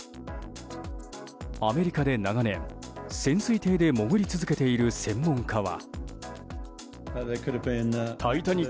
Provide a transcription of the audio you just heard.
アメリカで長年、潜水艇で潜り続けている専門家は。